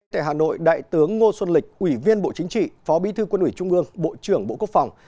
tại hà nội đại tướng ngô xuân lịch ủy viên bộ chính trị phó bí thư quân ủy trung ương bộ trưởng bộ quốc phòng